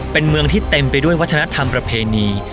เป็นเมืองที่เต็มไปด้วยวัฒนธรรมประเพณี